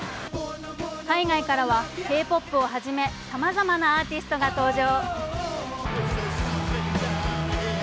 海外からはＫ−ＰＯＰをはじめさまざまなアーティストが登場。